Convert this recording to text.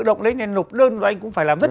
động nên nộp đơn anh cũng phải làm rất